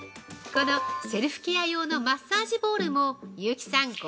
このセルフケア用のマッサージボールも優木さん